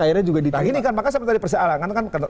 akhirnya juga ditolak